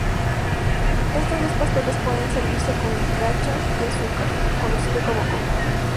Estos dos pasteles pueden servirse con gachas y azúcar, conocido como "koko".